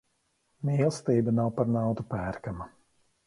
Mīlestība nav par naudu pērkama.